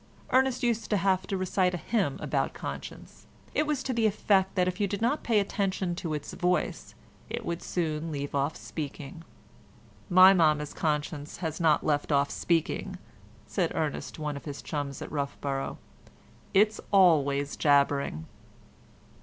Ernest used to have to recite a hymn about conscience. It was to the effect that if you did not pay attention to its voice it would soon leave off speaking. "My mamma's conscience has not left off speaking," said Ernest to one of his chums at Roughborough; "it's always jabbering."